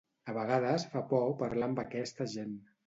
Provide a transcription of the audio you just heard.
A vegades fa por parlar amb aquesta gent.